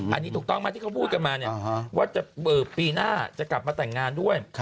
อันนี้ถูกต้องไหมที่เขาพูดกันมาเนี่ยว่าปีหน้าจะกลับมาแต่งงานด้วย